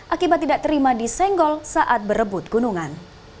akibat tidak terima disenggol saat berebut gunungan